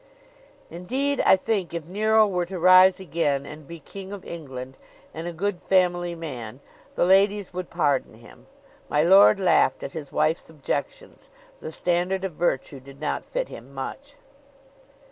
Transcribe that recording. Indeed, I think if Nero were to rise again, and be king of England, and a good family man, the ladies would pardon him. My lord laughed at his wife's objections the standard of virtue did not fit him much.